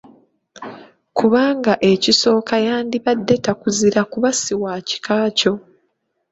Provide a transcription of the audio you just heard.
Kubanga ekisooka yandibadde takuzira kuba si wa kika kyo.